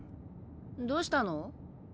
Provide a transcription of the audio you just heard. どうしたの？